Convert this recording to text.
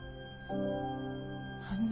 あんな